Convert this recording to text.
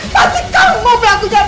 pasti kamu pelakunya